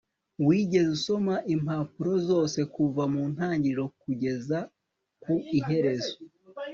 wigeze usoma impapuro zose kuva mu ntangiriro kugeza ku iherezo